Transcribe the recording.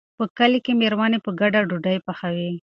په کلي کې مېرمنې په ګډه ډوډۍ پخوي.